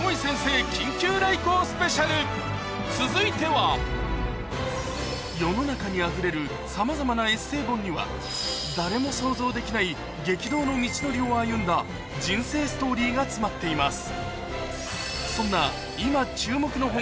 続いては世の中にあふれるさまざまなエッセー本には誰も想像できない激動の道のりを歩んだ人生ストーリーが詰まっています